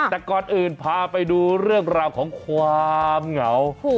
แต่ก่อนอื่นพาไปดูเรื่องราวของความเหงา